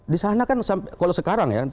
di sana kan kalau sekarang ya